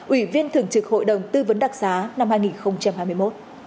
ủy viên thưởng trực hội đồng tư vấn đặc sá năm hai nghìn hai mươi một